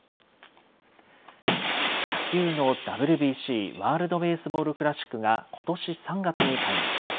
野球のＷＢＣ・ワールドベースボールクラシックがことし３月に開幕します。